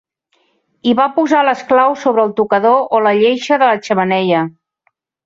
I va posar les claus sobre el tocador o la lleixa de la xemeneia.